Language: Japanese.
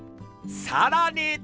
さらに！